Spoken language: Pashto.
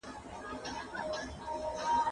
که مجازي ټولګی فعال وي، بې علاقګي نه زیاتېږي.